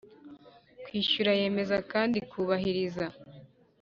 kwishyura yemeza kandi ikubahiriza